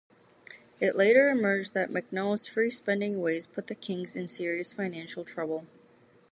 It later emerged that McNall's free-spending ways put the Kings in serious financial trouble.